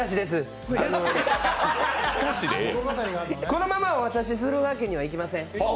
このままお渡しするわけにはいきません。